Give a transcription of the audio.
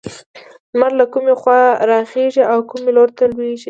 لمر له کومې خوا راخيژي او کوم لور ته لوېږي؟